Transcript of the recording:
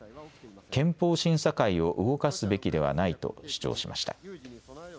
憲法審査会を動かすべきではないと主張しました。